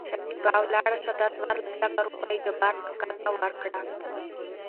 شکېبا : ولاړ شه دا څورلس لکه روپۍ جبار کاکا ته ورکړه.